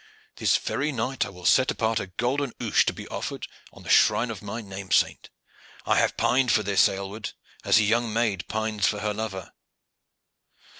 "This very night will I set apart a golden ouche to be offered on the shrine of my name saint. I have pined for this, Aylward, as a young maid pines for her lover."